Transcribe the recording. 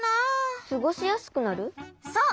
そう！